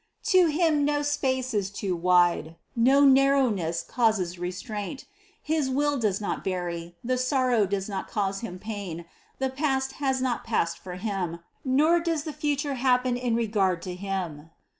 To Him no space is too wide, no narrowness causes re straint, his will does not vary, the sorrowful does not cause Him pain, the past has not passed for Him, nor THE CONCEPTION 49 does the future happen in regard to Him.